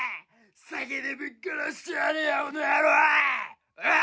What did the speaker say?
酒でぶっ殺してやるよ、この野郎！